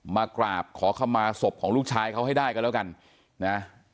มากราบขอขมาศพของลูกชายเขาให้ได้กันแล้วกันนะ